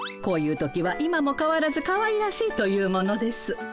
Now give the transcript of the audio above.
こういう時は「今もかわらずかわいらしい」と言うものです。